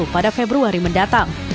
pada februari mendatang